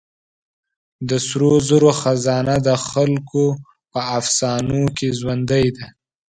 د سرو زرو خزانه د خلکو په افسانو کې ژوندۍ ده.